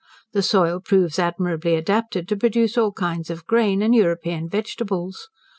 The soil proves admirably adapted to produce all kinds of grain, and European vegetables.